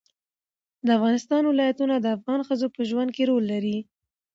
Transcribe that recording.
د افغانستان ولايتونه د افغان ښځو په ژوند کې رول لري.